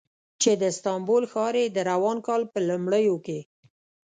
چې د استانبول ښار یې د روان کال په لومړیو کې